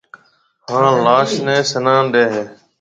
ھان لاش نيَ سنان ڏَي ھيََََ